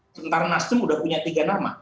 sementara nasdem sudah punya tiga nama